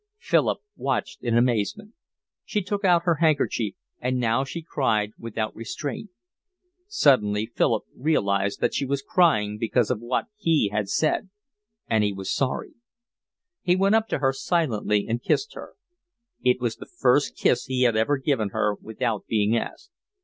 Philip watched her in amazement. She took out her handkerchief, and now she cried without restraint. Suddenly Philip realised that she was crying because of what he had said, and he was sorry. He went up to her silently and kissed her. It was the first kiss he had ever given her without being asked.